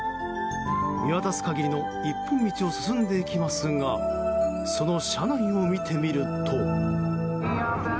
見渡す限りの１本の道を進んでいきますがその車内を見てみると。